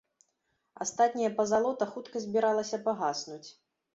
Астатняя пазалота хутка збіралася пагаснуць.